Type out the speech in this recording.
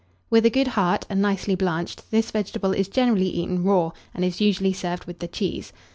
With a good heart, and nicely blanched, this vegetable is generally eaten raw, and is usually served with the cheese.